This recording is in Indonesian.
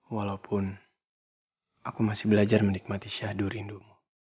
walaupun aku masih belajar menikmati syahdu rindumu